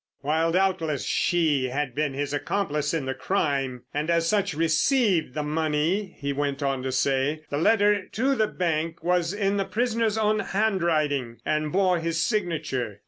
"While doubtless she had been his accomplice in the crime, and as such received the money," he went on to say, "the letter to the bank was in the prisoner's own handwriting, and bore his signature.